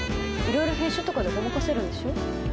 色々編集とかでごまかせるんでしょ？